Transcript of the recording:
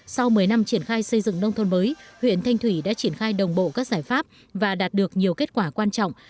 sau một mươi năm triển khai xây dựng nông thôn mới huyện thanh thủy đã triển khai đồng bộ các giải pháp và đạt được nhiều kết quả quan trọng